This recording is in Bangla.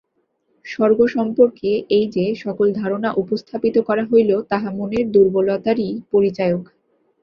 স্বর্গ সম্পর্কে এই যে-সকল ধারণা উপস্থাপিত করা হইল, তাহা মনের দুর্বলতারই পরিচায়ক।